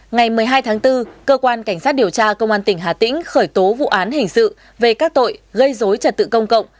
ngày một mươi hai tháng bốn cơ quan cảnh sát điều tra công an tỉnh hà tĩnh khởi tố vụ án hình sự về các tội gây dối trật tự công cộng